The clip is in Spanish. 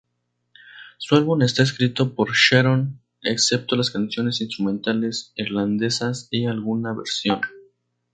El álbum está escrito por Sharon, excepto las canciones instrumentales irlandesas y alguna versión.